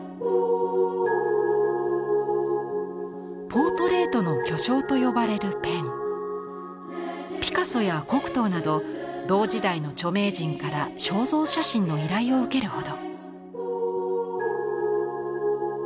ポートレートの巨匠と呼ばれるペンピカソやコクトーなど同時代の著名人から肖像写真の依頼を受けるほど。